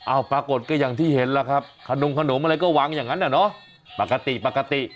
ปรากฏก็อย่างที่เห็นล่ะครับขนมขนมอะไรก็วางอย่างนั้นอ่ะเนอะปกติปกติ